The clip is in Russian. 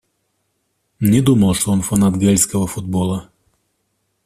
Не думал, что он фанат гэльского футбола.